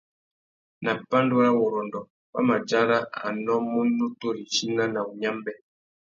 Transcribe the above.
Nà pandúrâwurrôndô, wa mà dzara a nnômú nutu râ ichina na wunyámbê.